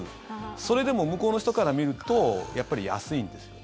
それでも向こうの人から見るとやっぱり安いんですよね。